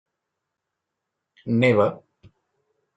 Neva.